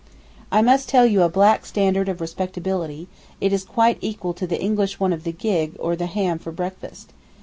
I must tell you a black standard of respectability (it is quite equal to the English one of the gig, or the ham for breakfast).